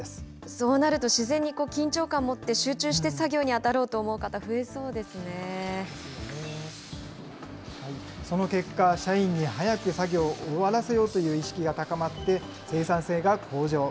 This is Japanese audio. そうなると、自然に緊張感持って集中して作業に当たろうと思う方、増えそうでその結果、社員に早く作業を終わらせようという意識が高まって、生産性が向上。